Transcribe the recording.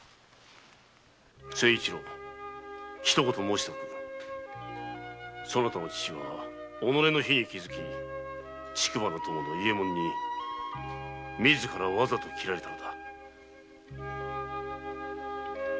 誠一郎一言申しておくそなたの父は己の非に気づき竹馬の友の伊右衛門に自らわざと斬られたのだ。